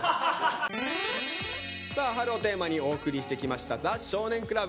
さあ「春」をテーマにお送りしてきました「ザ少年倶楽部」。